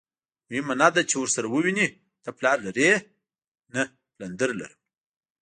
مهمه نه ده چې ورسره ووینې، ته پلار لرې؟ نه، پلندر لرم.